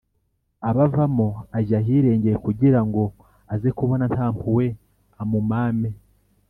abavamo, ajya ahirengeye kugira ngo aze kubona ntampuhwe amumame